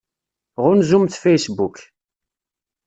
Ɣunzumt Facebook.